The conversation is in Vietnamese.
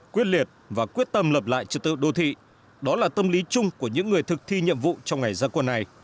quyết liệt và quyết tâm lập lại trật tự đô thị đó là tâm lý chung của những người thực thi nhiệm vụ trong ngày gia quân này